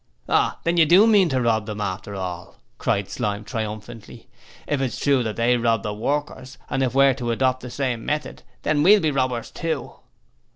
'Oh, then you DO mean to rob them after all,' cried Slyme, triumphantly. 'If it's true that they robbed the workers, and if we're to adopt the same method then we'll be robbers too!'